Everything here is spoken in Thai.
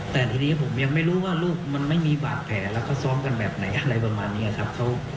แต่ทีนี้ผมยังไม่รู้ว่าลูกมันไม่มีบาดแผลแล้วก็ซ้อมกันแบบไหนอะไรประมาณนี้ครับ